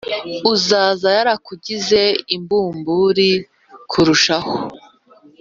Uzaza yarakugize imbumburi kurushaho